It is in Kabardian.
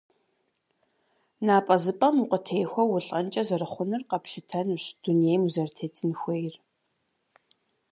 Напӏэзыпӏэм укъытехуэу улӏэнкӏэ зэрыхъунур къэплъытэущ дунейм узэрытетын хуейр.